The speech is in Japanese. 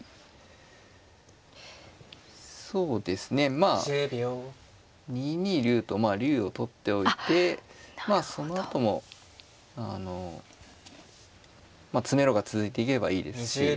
まあ２二竜と竜を取っておいてまあそのあともあの詰めろが続いていけばいいですし。